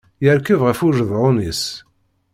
Yerkeb ɣef ujedɛun-is.